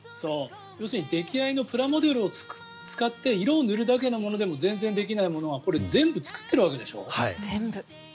要するに出来合いのプラモデルを使って色を塗るだけのものでも全然できないのがこれ、全部作ってるわけでしょ。